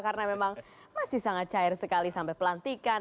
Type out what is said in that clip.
karena memang masih sangat cair sekali sampai pelantikan